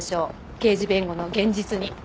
刑事弁護の現実に。